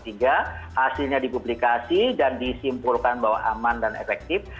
hasilnya dipublikasi dan disimpulkan bahwa aman dan efektif